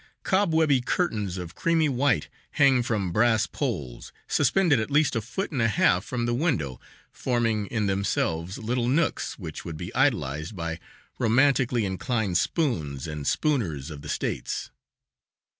Cobweby curtains of creamy white hang from brass poles, suspended at least a foot and a half from the window, forming in themselves little nooks which would be idolized by romantically inclined "spoons" and "spooners" of the States.